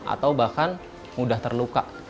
atau bahkan mudah terluka